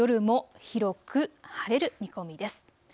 夜も広く晴れる見込みです。